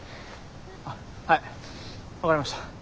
はい分かりました。